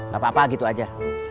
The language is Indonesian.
gak apa apa gitu aja